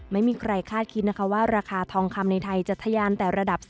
ไม่มีใครคาดคิดนะคะว่าราคาทองคำในไทยจะทะยานแต่ระดับ๓